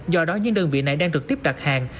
do đó những đơn vị này đang trực tiếp đặt hàng